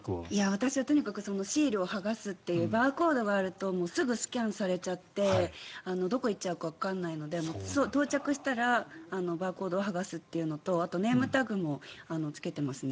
私はとにかくシールを剥がすっていうバーコードがあるとすぐスキャンされちゃってどこに行っちゃうかわからないので到着したらバーコードを剥がすというのとあとネームタグもつけてますね。